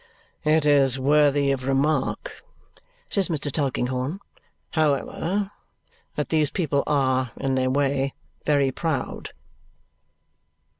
"It is worthy of remark," says Mr. Tulkinghorn, "however, that these people are, in their way, very proud."